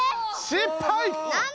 失敗！